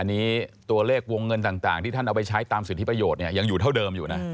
อันนี้ตัวเลขวงเงินต่างที่ท่านเอาไปใช้ตามสิทธิประโยชน์เนี่ยยังอยู่เท่าเดิมอยู่นะ